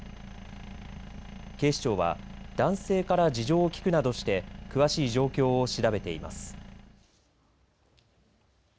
警視庁は男性から事情を聴くなどして詳しい状況を調べています。